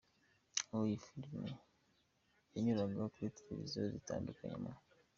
Ubu iyi filime yanyuraga kuri televiziyo zitandukanye mu.